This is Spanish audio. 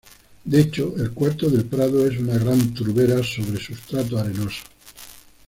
De hecho el Cuarto del Prado es una gran turbera sobre sustrato arenoso.